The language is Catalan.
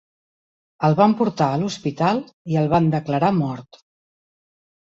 El van portar a l'hospital i el van declarar mort.